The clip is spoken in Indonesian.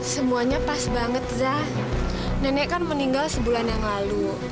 semuanya pas banget zah nenek kan meninggal sebulan yang lalu